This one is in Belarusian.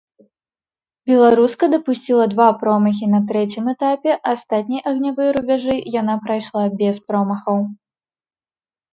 Беларуска дапусціла два промахі на трэцім этапе, астатнія агнявыя рубяжы яна прайшла без промахаў.